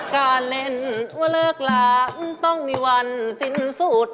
การเล่นว่าเลิกหลานต้องมีวันสิ้นสุด